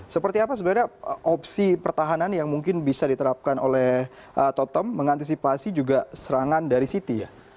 seperti apa sebenarnya opsi pertahanan yang mungkin bisa diterapkan oleh tottenham mengantisipasi juga serangan dari city ya